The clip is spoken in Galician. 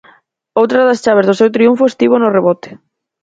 Outra das chaves do seu triunfo estivo no rebote.